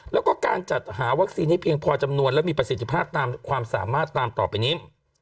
แล้วก็การจัดหาวัคซีนให้เพียงพอจำนวนและมีประสิทธิภาพตามความสามารถตามต่อไปนี้